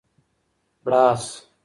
بړاس